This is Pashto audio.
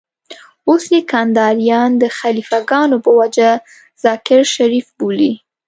اوس يې کنداريان د خليفه ګانو په وجه ذاکر شريف بولي.